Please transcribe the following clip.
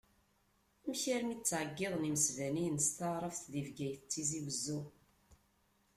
Amek armi ttɛeyyiḍen imesbaniyen s taɛrabt deg Bgayet d Tizi Wezzu?